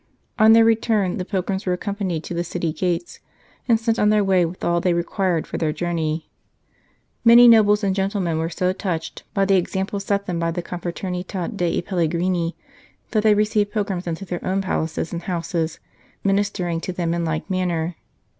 ..." On their return the pilgrims were accompanied to the city gates, and sent on their way with all they required for their journey. ... Many nobles and gentlemen were so touched by the example set them by the Confraternita dei Pellegrini that they received pilgrims into their own palaces and houses, ministering to them in like manner.